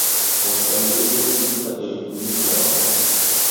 Hospitali rimu rekundika eri kudumikia w'akongo.